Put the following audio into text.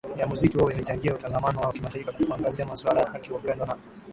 ya muziki huo imechangia utangamano wa kimataifa kwa kuangazia masuala ya haki upendo na